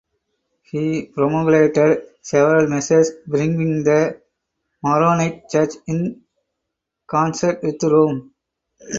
He promulgated several measures bringing the Maronite Church in concert with Rome.